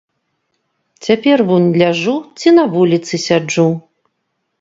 Цяпер вунь ляжу ці на вуліцы сяджу.